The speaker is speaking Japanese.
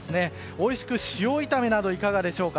おいしく塩炒めなどはいかがでしょうか。